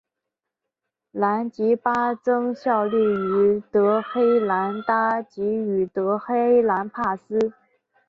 兰吉巴曾效力于德黑兰塔吉于德黑兰帕斯。